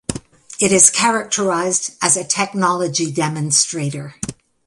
It is characterized as a technology demonstrator.